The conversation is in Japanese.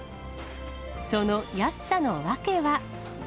その安さの訳は。